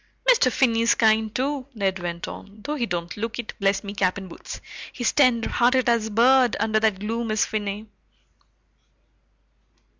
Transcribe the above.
"Mr. Finney's kind, too," Ned went on, "though he don't look it, bless me cap and boots! He's tenderhearted as a bird, under that gloom, is Finney."